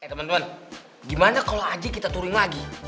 eh temen temen gimana kalau aja kita turun lagi